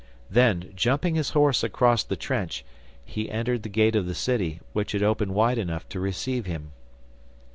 Then, jumping his horse across the trench, he entered the gate of the city, which had opened wide enough to receive him.